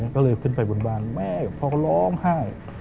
ก็เลยขึ้นไปบนบานแม่พ่อเขาร้องไห้